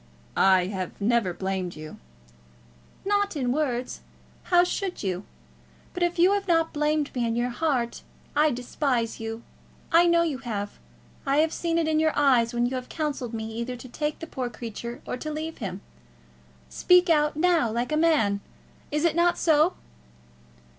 "I have never blamed you." "Not in words. How should you? But if you have not blamed me in your heart, I despise you. I know you have. I have seen it in your eyes when you have counselled me, either to take the poor creature or to leave him. Speak out, now, like a man. Is it not so?"